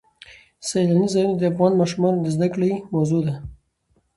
سیلاني ځایونه د افغان ماشومانو د زده کړې موضوع ده.